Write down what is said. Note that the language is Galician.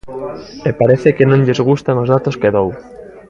E parece que non lles gustan os datos que dou.